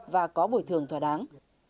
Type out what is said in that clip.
và có bồi thường thỏa đáng